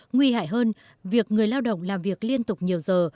nguy hại hơn việc người lao động làm việc liên tục nhiều giờ